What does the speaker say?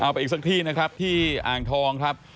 ไปอีกสักที่นะครับที่อ่างทองครับ